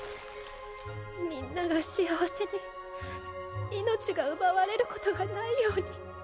みんなが幸せに命が奪われることがないように。